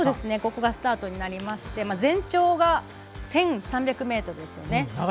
ここがスタートになって全長が１３００ｍです。